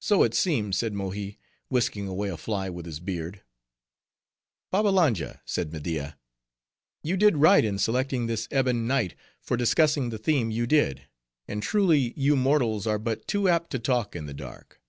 "So it seems," said Mohi, whisking away a fly with his beard. "Babbalanja," said Media, "you did right in selecting this ebon night for discussing the theme you did; and truly, you mortals are but too apt to talk in the dark."